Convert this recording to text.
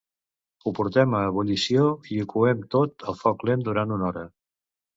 Ho portem a ebullició i ho coem tot a foc lent durant una hora.